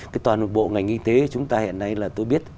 cái toàn bộ ngành y tế chúng ta hiện nay là tôi biết